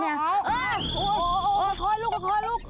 เออโอ้โอ้ขอลูก